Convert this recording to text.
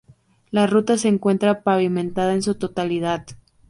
La Ruta se encuentra pavimentada en su totalidad.